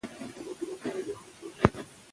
د ځنګلونو له منځه تلل د ژوند د کیفیت کمښت لامل کېږي.